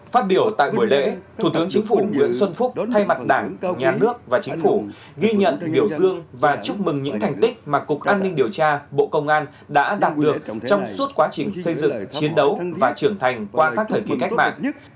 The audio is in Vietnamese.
phát biểu tại buổi lễ thủ tướng chính phủ nguyễn xuân phúc đã thay mặt đảng nhà nước và chính phủ ghi nhận biểu dương và chúc mừng những thành tích mà cục an ninh điều tra bộ công an đã đạt được trong suốt quá trình xây dựng chiến đấu và trưởng thành qua các thời kỳ cách mạng